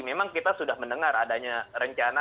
memang kita sudah mendengar adanya rencana